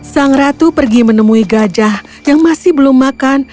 sang ratu pergi menemui gajah yang masih belum makan